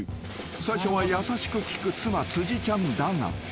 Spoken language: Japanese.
［最初は優しく聞く妻辻ちゃんだが］